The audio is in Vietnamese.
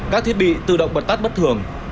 các thiết bị tự động bật tắt bất thường